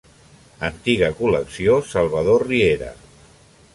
Antiga Col·lecció Salvador Riera.